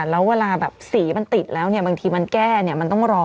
แล้วเวลาแบบสีมันติดแล้วเนี่ยบางทีมันแก้เนี่ยมันต้องรอ